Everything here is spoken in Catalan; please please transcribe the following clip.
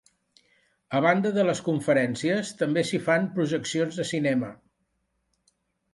A banda de les conferències, també s’hi fan projeccions de cinema.